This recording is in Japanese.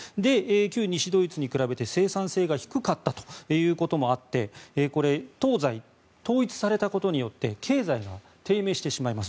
旧西ドイツに比べて生産性が低かったということもあって東西統一されたことによって経済が低迷してしまいます。